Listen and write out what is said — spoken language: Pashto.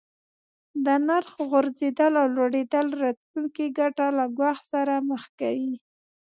د نرخ غورځیدل او لوړیدل راتلونکې ګټه له ګواښ سره مخ کوي.